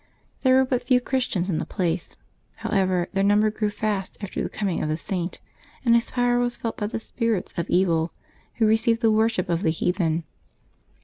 There were but few Christians in the place. However, their num ber grew fast after the coming of the Saint ; and his power was felt by the spirits of evil, who received the worship of the heathen.